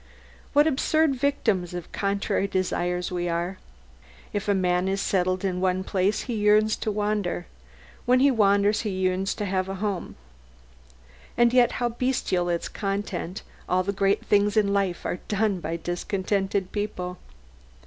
What absurd victims of contrary desires we are! If a man is settled in one place he yearns to wander; when he wanders he yearns to have a home. And yet how bestial is content all the great things in life are done by discontented people.